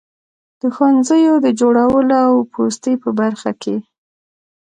د ښوونځیو د جوړولو او پوستې په برخه کې.